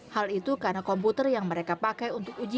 hal itu karena komputer yang mereka pakai untuk ujian